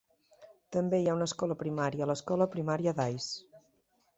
També hi ha una escola primària, l'escola primària Dyce.